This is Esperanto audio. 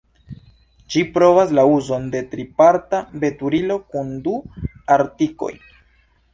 Ĝi provas la uzon de triparta veturilo kun du artikoj.